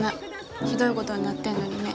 ひどいごどになってんのにね。